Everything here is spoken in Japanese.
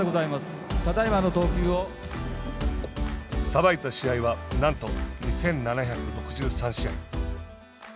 裁いた試合はなんと２７６３試合。